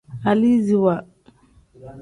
Aliziwa.